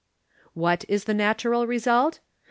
What is the natural result